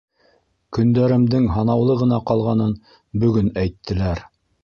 Көндәремдең һанаулы ғына ҡалғанын бөгөн әйттеләр.